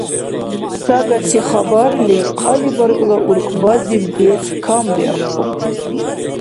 Сагаси хабарли хъалибаргла уркӀбазибси децӀ камбиахъуб.